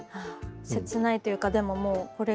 切ないというかでももうこれが。